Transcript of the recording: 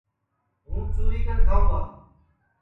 ہوں چُری کن کھاوں گا